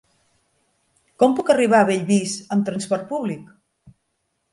Com puc arribar a Bellvís amb trasport públic?